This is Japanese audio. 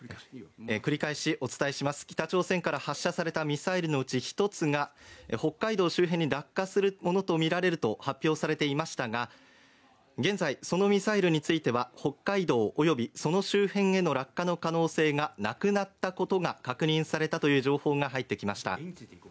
北朝鮮から発射されたミサイルのうち１つが北海道周辺に落下するものとみられると発表されていましたが現在、そのミサイルについては北海道およびその周辺への落下の可能性がなくなったことが確認されたという情報が入ってきました。